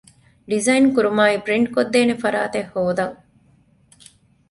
ޑިޒައިން ކުރުމާއި ޕްރިންޓް ކޮށްދޭނޭ ފަރާތެއް ހޯދަން